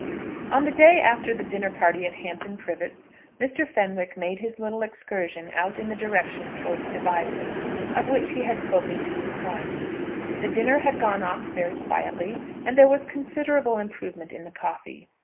On the day after the dinner party at Hampton Privets Mr. Fenwick made his little excursion out in the direction towards Devizes, of which he had spoken to his wife. The dinner had gone off very quietly, and there was considerable improvement in the coffee.